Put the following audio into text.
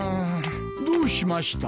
どうしました？